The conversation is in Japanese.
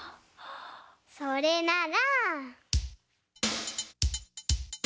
それなら。